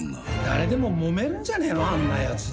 誰でももめるんじゃねえのあんな奴。